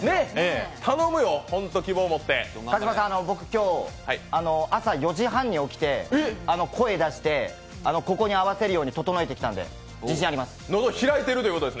僕、今日、朝４時半に起きて声を出してここに合わせるように整えてきたので自信あります。